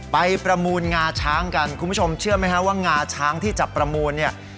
ประมูลงาช้างกันคุณผู้ชมเชื่อไหมฮะว่างาช้างที่จะประมูลเนี่ย